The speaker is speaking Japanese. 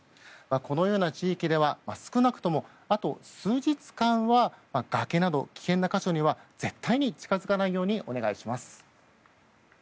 このような地域では少なくともあと数日間は崖など危険な箇所には絶対に近づかないようにお願いします。